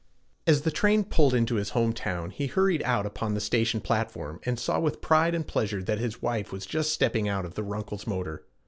As the train pulled into his home town he hurried out upon the station platform, and saw with pride and pleasure that his wife was just stepping out of the Runkles' motor.